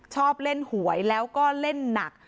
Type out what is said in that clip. ชอบเล่นหวยแล้วก็เล่นหนัก